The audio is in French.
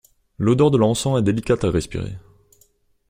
L'odeur de l'encens est délicate à respirer.